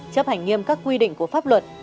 chấp hành nghiêm các quy định của pháp luật